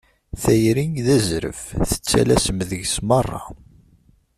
Tayri d azref, tettalasem deg-s merra.